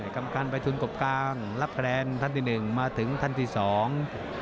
กำกันไปทุนกบกลางรับแรงท่านที่หนึ่งมาถึงท่านที่สอง